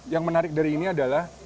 yang menarik dari ini adalah